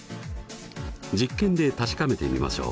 実験で確かめてみましょう。